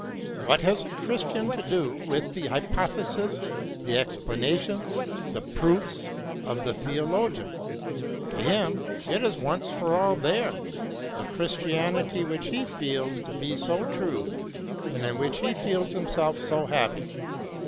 What has the Christian to do virith the hypotheses, the explanations, the proofs of the theologian i To him it is once for all diere, the Christianity which he feels to be so true and in which he feels himself so happy.